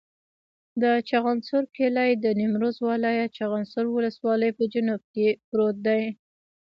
د چخانسور کلی د نیمروز ولایت، چخانسور ولسوالي په جنوب کې پروت دی.